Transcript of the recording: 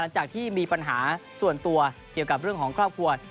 จากที่มีปัญหาส่วนตัวเกี่ยวกับเรื่องของครอบครัว